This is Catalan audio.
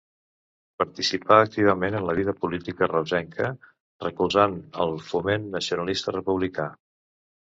Participà activament en la vida política reusenca, recolzant el Foment Nacionalista Republicà.